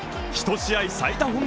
１試合最多